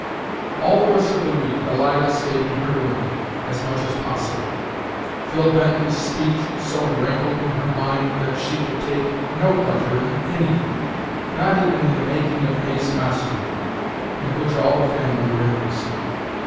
All the rest of the week Alida stayed in her room as much as possible. Phil Bently's speech so rankled in her mind that she could take no pleasure in anything, not even in the making of May's costume, in which all the family were interested.